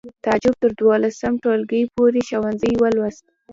تعجب تر دولسم ټولګي پورې ښوونځی ولوست